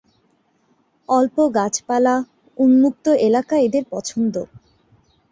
অল্প গাছপালা, উন্মুক্ত এলাকা এদের পছন্দ।